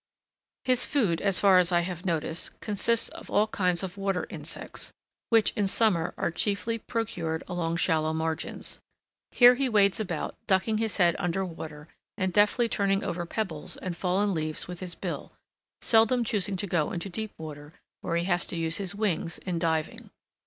His food, as far as I have noticed, consists of all kinds of water insects, which in summer are chiefly procured along shallow margins. Here he wades about ducking his head under water and deftly turning over pebbles and fallen leaves with his bill, seldom choosing to go into deep water where he has to use his wings in diving.